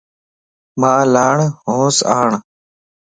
مان لاڻھونس آڻ